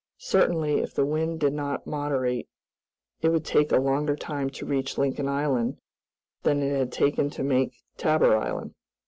Certainly, if the wind did not moderate, it would take a longer time to reach Lincoln Island than it had taken to make Tabor Island.